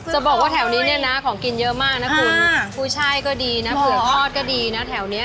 จะบอกว่าแถวนี้เนี่ยนะของกินเยอะมากนะคุณกุ้ยช่ายก็ดีนะเผื่อทอดก็ดีนะแถวนี้